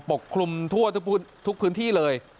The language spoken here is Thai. กคลุมทั่วทุกพื้นที่เลย